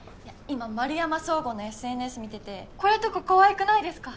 今円山宗吾のＳＮＳ見ててこういうとこ可愛くないですか。